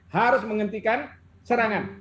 harus menghentikan serangan